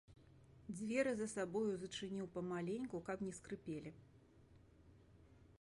Дзверы за сабою зачыніў памаленьку, каб не скрыпелі.